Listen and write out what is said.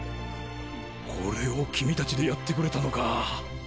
これを君たちでやってくれたのか。